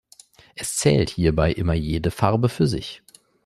Es zählt hierbei immer jede Farbe für sich.